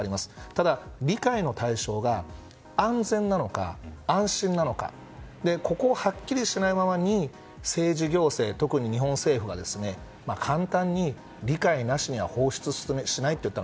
ただ、理解の対象が安全なのか安心なのかここをはっきりしないままに政治行政、特に日本政府は簡単に理解なしには放出しないと言った。